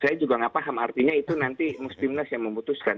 saya juga nggak paham artinya itu nanti mustimnas yang memutuskan